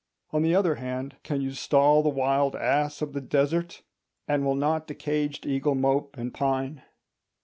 On the other hand, can you stall the wild ass of the desert? And will not the caged eagle mope and pine?